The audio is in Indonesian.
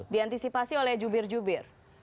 diantisipasi oleh jubir jubir